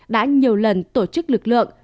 đã nhiều lần tổ chức lực lượng